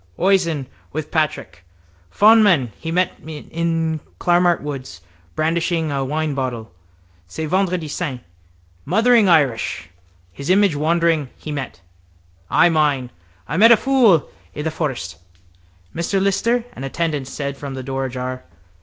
Oisin with Patrick. Faunman he met in Clamart woods, brandishing a winebottle. C'est vendredi saint! Murthering Irish. His image, wandering, he met. I mine. I met a fool i'the forest. —Mr Lyster, an attendant said from the door ajar.